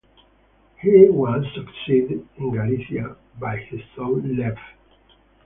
He was succeeded in Galicia by his son Lev.